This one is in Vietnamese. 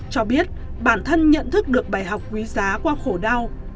cho biết bản thân nhận thức được bài học quý giá qua khổ đau